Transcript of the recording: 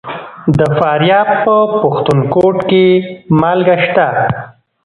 د فاریاب په پښتون کوټ کې مالګه شته.